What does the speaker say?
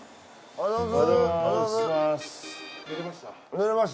おはようございます。